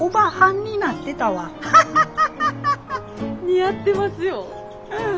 似合ってますよ。